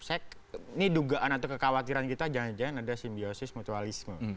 ini dugaan atau kekhawatiran kita jangan jangan ada simbiosis mutualisme